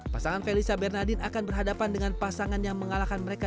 pasangan felisa bernardin akan berhadapan dengan pasangan yang mengalahkan mereka